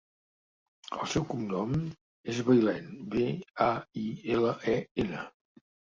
El seu cognom és Bailen: be, a, i, ela, e, ena.